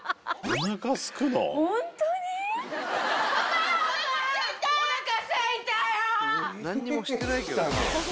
・おなかすいた。